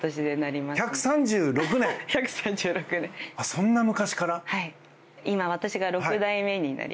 そんな昔から。